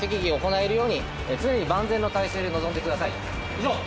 以上。